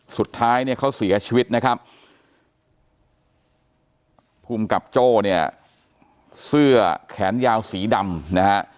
สุดท้ายเนี่ยเขาเสียชีวิตนะครับภูมิกับโจ้เนี่ยเสื้อแขนยาวสีดำนะฮะ